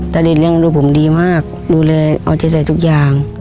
ตะรินยังรู้ผมดีมากดูแลเอาใจใส่ทุกอย่าง